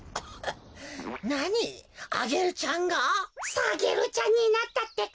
サゲルちゃんになったってか。